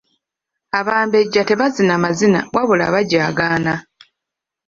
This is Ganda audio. Abambejja tebazina mazina wabula bajaagaana.